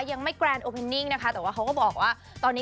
คุณแม่ข้าขอนะ